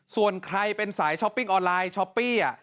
ส่วนใครเป็นสายช้อปปิ้งออนไลน์ช้อปปี้